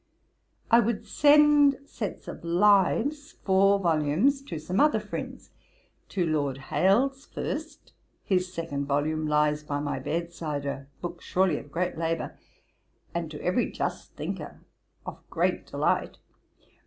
'I would send sets of Lives, four volumes, to some other friends, to Lord Hailes first. His second volume lies by my bed side; a book surely of great labour, and to every just thinker of great delight.